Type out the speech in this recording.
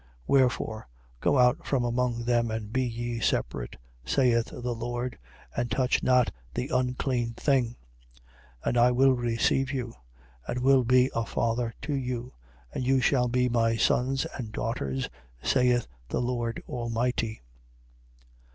6:17. Wherefore: Go out from among them and be ye separate, saith the Lord, and touch not the unclean thing: 6:18. And I will receive you. And will be a Father to you: and you shall be my sons and daughters, saith the Lord Almighty.